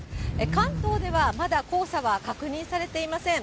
関東ではまだ黄砂は確認されていません。